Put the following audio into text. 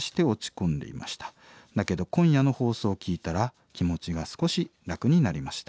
だけど今夜の放送を聴いたら気持ちが少し楽になりました。